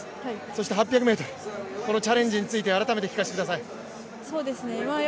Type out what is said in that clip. そして８００ｍのチャレンジについて改めて聞かせてください。